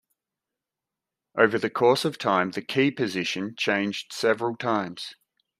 Over the course of time the key position changed several times.